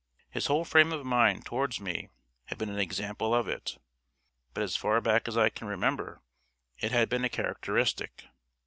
His whole frame of mind towards me had been an example of it, but as far back as I can remember it had been a characteristic.